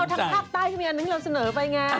ของเราทั้งภาพได้คือมีอันนึงเราเสนอไปไง